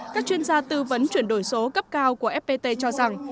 các chuyên gia tư vấn chuyển đổi số cấp cao của fpt cho rằng